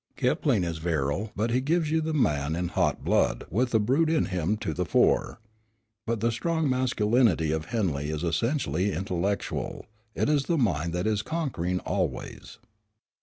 Kipling is virile, but he gives you the man in hot blood with the brute in him to the fore; but the strong masculinity of Henley is essentially intellectual. It is the mind that is conquering always."